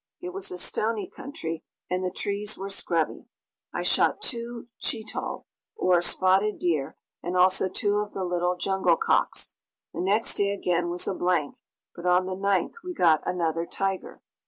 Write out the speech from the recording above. It was a stony country and the trees were scrubby. I shot two cheetul, or spotted deer, and also two of the little jungle cocks. The next day again was a blank, but on the 9th we got another tiger.